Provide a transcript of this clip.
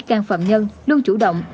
can phạm nhân luôn chủ động